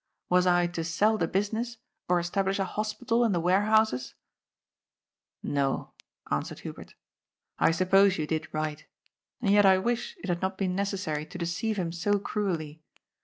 Was I to sell the business, or establish a hospital in the warehouses ?" "No," answered Hubert. "I suppose you did right. And yet I wish it had not been necessary to deceive him so cruelly.